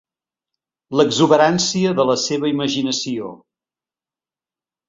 L'exuberància de la seva imaginació.